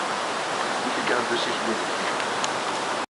Amek ay iɛedda ussikel-nnek?